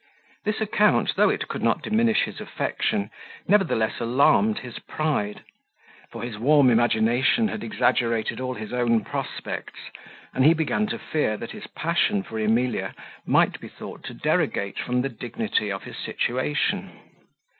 This account, though it could not diminish his affection, nevertheless alarmed his pride; for his warm imagination had exaggerated all his own prospects; and he began to fear that his passion for Emilia might be thought to derogate from the dignity of his situation.